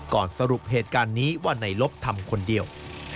สรุปเหตุการณ์นี้ว่าในลบทำคนเดียว